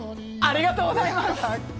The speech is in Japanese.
ありがとうございます。